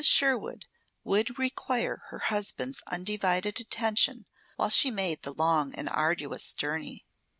Sherwood would require her husband's undivided attention while she made the long and arduous journey.